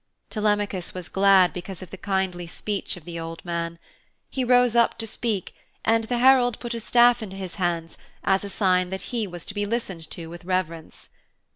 Telemachus was glad because of the kindly speech of the old man. He rose up to speak and the herald put a staff into his hands as a sign that he was to be listened to with reverence.